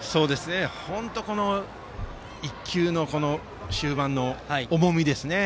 本当に１球の終盤の重みですね。